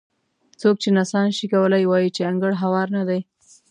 څوک چې نڅا نه شي کولی وایي چې انګړ هوار نه دی.